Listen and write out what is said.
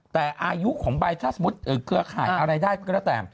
แต่อายุของใบถ้าสมมุติเครือข่ายอะไรได้ก็แล้วแต่